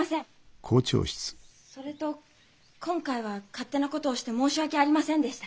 それと今回は勝手なことをして申し訳ありませんでした。